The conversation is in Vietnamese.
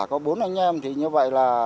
có bốn anh em thì như vậy là